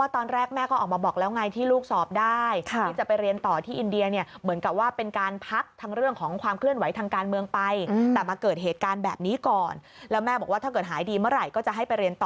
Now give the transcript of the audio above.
ถ้าเกิดหายดีเมื่อไหร่ก็จะให้ไปเรียนต่อ